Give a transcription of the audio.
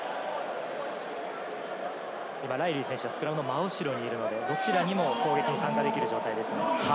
ライリー選手、スクラムの真後ろにいるので、どちらにも攻撃に参加できる状況です。